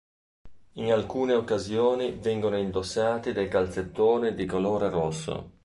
In alcune occasioni vengono indossati dei calzettoni di colore rosso.